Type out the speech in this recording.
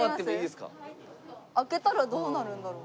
開けたらどうなるんだろう？